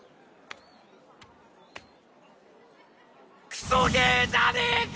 クソゲーじゃねぇか！